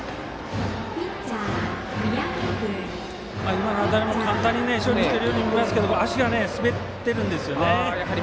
今の当たりも簡単に処理しているように見えますが足が滑ってるんですよね。